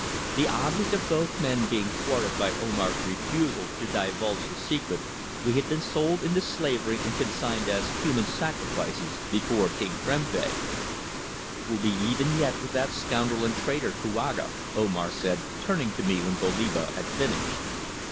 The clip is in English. The object of both men being thwarted by Omar's refusal to divulge the secret, we had been sold into slavery and consigned as human sacrifices before King Prempeh. "We'll be even yet with that scoundrel and traitor, Kouaga," Omar said, turning to me when Goliba had finished.